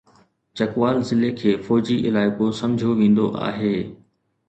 چکوال ضلعي کي فوجي علائقو سمجهيو ويندو آهي.